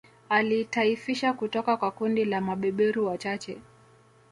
Aliitaifisha kutoka kwa kundi la mabeberu wachache